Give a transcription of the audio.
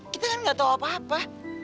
kita kan gak tau apa apa